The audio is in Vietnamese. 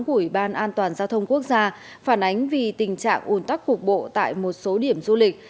của ủy ban an toàn giao thông quốc gia phản ánh vì tình trạng ủn tắc cục bộ tại một số điểm du lịch